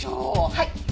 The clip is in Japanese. はい。